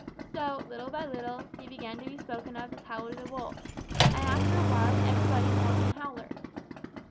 So, little by little, he began to be spoken of as Howler the Wolf, and after a while everybody called him Howler.